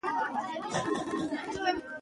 د ناول مرکزي لوبغاړي نايله، ډېوه، جمال خان،